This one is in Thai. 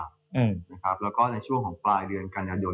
แล้วก็ในช่วงจุดปลายเดือนการงานหย่อน